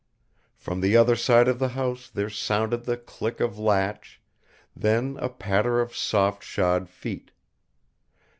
From the other side of the house there sounded the click of latch, then a patter of soft shod feet.